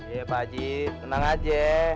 iya pak haji tenang aja